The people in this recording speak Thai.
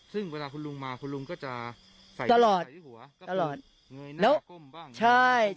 ซึ่งเวลาคุณลุงมาเห็นว่าคุณลุงก็จะใส่ทุกอย่างในหัว